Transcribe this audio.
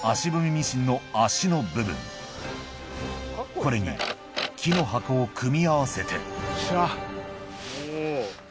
ミシンの脚の部分これに木の箱を組み合わせてよっしゃ。